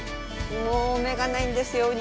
もう目がないんですよ、ウニ。